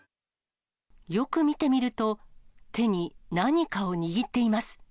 よく見てみると、手に何かを握っています。